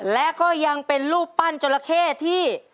และก็ยังเป็นรูปปั้นจราเข้ที่